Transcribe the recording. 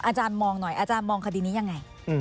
อาจารย์มองหน่อยอาจารย์มองคดีนี้ยังไง